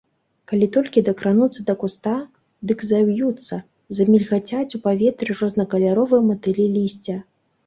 Калі толькі дакрануцца да куста, дык заўюцца, замільгацяць у паветры рознакаляровыя матылі лісця.